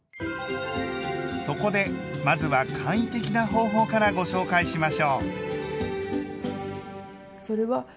そこでまずは簡易的な方法からご紹介しましょう！